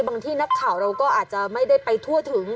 ที่นักข่าวเราก็อาจจะไม่ได้ไปทั่วถึง